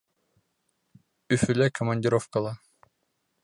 Өфөлә командировкала.